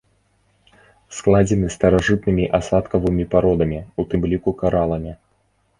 Складзены старажытнымі асадкавымі пародамі, у тым ліку караламі.